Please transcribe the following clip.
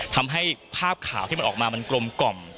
ทำให้ภาพข่าวที่มันออกมามันกลมกล่อม